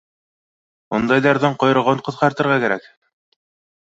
Ундайҙарҙың ҡойроғон ҡыҫҡартырға кәрәк.